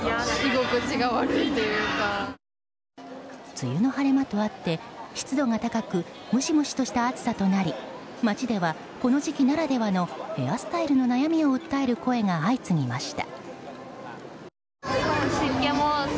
梅雨の晴れ間とあって湿度が高くムシムシとした暑さとなり街では、この時期ならではのヘアスタイルの悩みを訴える声が相次ぎました。